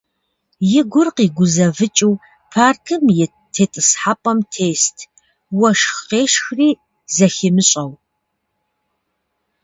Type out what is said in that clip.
И гур къигузэвыкӀыу паркым ит тетӀысхьэпӀэм тест, уэшх къешхри зыхимыщӀэу.